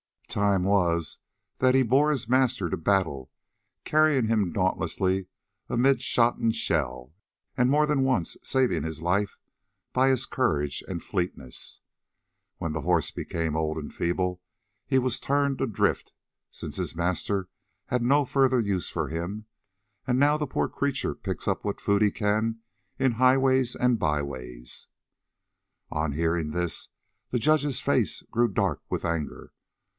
"Time was that he bore his master to battle, carrying him dauntlessly amid shot and shell, and more than once saving his life by his courage and fleetness. When the horse became old and feeble, he was turned adrift, since his master had no further use for him; and now the poor creature picks up what food he can in highways and byways." On hearing this the judge's face grew dark with anger.